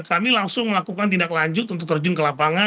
kami langsung melakukan tindak lanjut untuk terjun ke lapangan